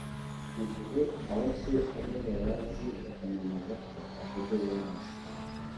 mu gihe abake ari bo bayazi bakanemeza ko ateguye neza